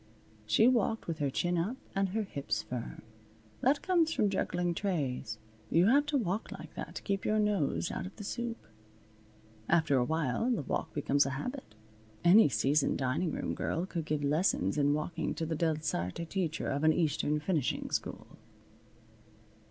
She walked with her chin up and her hips firm. That comes from juggling trays. You have to walk like that to keep your nose out of the soup. After a while the walk becomes a habit. Any seasoned dining room girl could give lessons in walking to the Delsarte teacher of an Eastern finishing school.